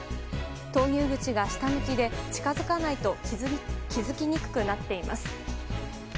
投入口が下向きで、近づかないと気付きにくくなっています。